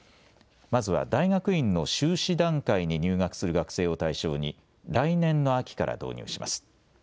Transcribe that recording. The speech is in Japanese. まずは大学院の修士段階に入学する学生を対象に来年の秋から導入します。